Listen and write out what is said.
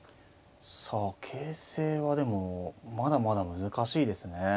さあ形勢はでもまだまだ難しいですね。